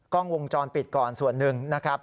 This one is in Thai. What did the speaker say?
กล้องวงจรปิดก่อนส่วนหนึ่งนะครับ